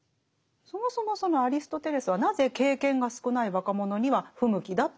そもそもそのアリストテレスはなぜ経験が少ない若者には不向きだって言ってるんですか？